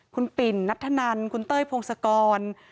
คุณปิ่นนัทธนันคุณเต้ยพงศกร